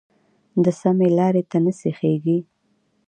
د سمې لارې ته نه سیخېږي.